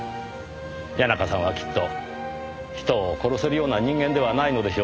谷中さんはきっと人を殺せるような人間ではないのでしょうねぇ。